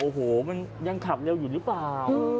โอ้โหมันยังขับเร็วอยู่หรือเปล่า